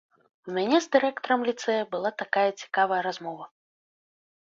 У мяне з дырэктарам ліцэя была такая цікавая размова.